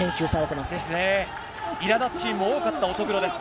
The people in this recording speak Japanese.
いらだつシーンも多かった乙黒です。